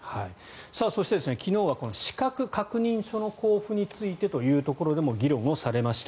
そして、昨日は資格確認書というところでも議論をされました。